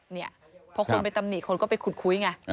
เนี่ยพอคนไปตำหนิคนก็ไปขุดคุยไง